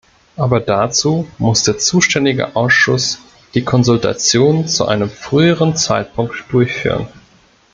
Aber dazu muss der zuständige Ausschuss die Konsultation zu einem früheren Zeitpunkt durchführen.